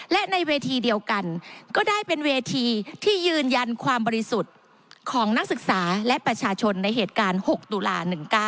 และในเวทีเดียวกันก็ได้เป็นเวทีที่ยืนยันความบริสุทธิ์ของนักศึกษาและประชาชนในเหตุการณ์๖ตุลา๑๙